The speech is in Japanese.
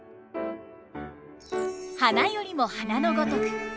「花よりも花の如く」。